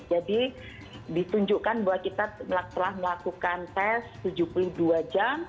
jadi ditunjukkan bahwa kita telah melakukan test tujuh puluh dua jam